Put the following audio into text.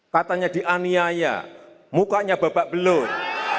katanya dianiaya mukanya babak belut